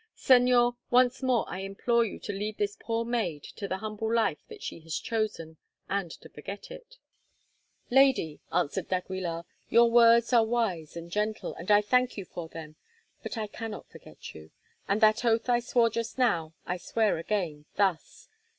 Señor, once more I implore you to leave this poor maid to the humble life that she has chosen, and to forget her." "Lady," answered d'Aguilar, "your words are wise and gentle, and I thank you for them. But I cannot forget you, and that oath I swore just now I swear again, thus."